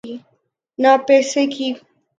نہ پیسے کی۔